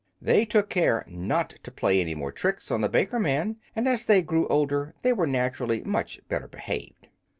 They took care not to play any more tricks on the baker man, and as they grew older they were naturally much better behaved.